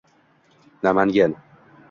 Namangan